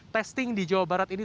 testing di jawa barat ini